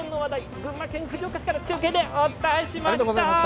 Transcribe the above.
群馬県藤岡市からお伝えしました。